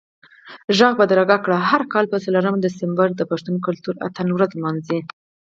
ږغ بدرګه کړئ، هر کال به څلورم دسمبر د پښتون کلتوري اتڼ ورځ لمانځو